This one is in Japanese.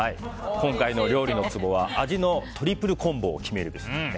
今回の料理のツボは味のトリプルコンボを決めるべし。